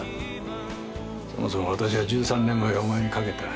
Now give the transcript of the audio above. そもそも私は１３年前お前にかけた。